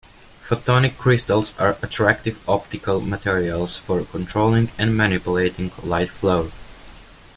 Photonic crystals are attractive optical materials for controlling and manipulating light flow.